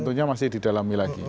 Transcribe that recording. tentunya masih didalami lagi